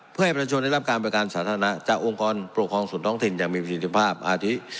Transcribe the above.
เพื่อให้ประชาชนได้รับการประกันสาธารณะจากองค์กรปกครองส่วนท้องถิ่นอย่างมีประสิทธิภาพอาทิ